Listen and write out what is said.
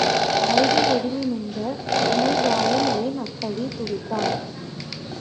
அருகில் ஒதுங்கி நின்ற உமைபாலன் ஏன் அப்படித் துடித்தான்?